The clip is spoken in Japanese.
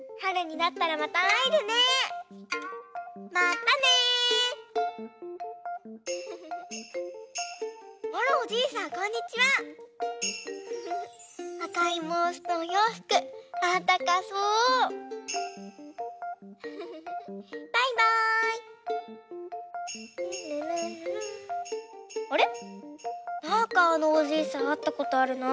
なんかあのおじいさんあったことあるなあ。